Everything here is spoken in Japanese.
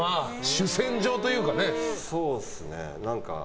主戦場というかね。